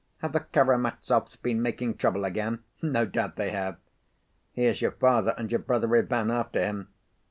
Have the Karamazovs been making trouble again? No doubt they have. Here's your father and your brother Ivan after him.